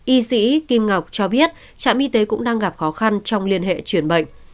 y sĩ kim ngọc cho biết trạm y tế cũng đang gặp khó khăn trong liên hệ chuyển bệnh